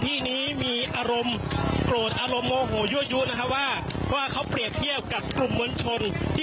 นี่ในกระเป๋าของมีนี่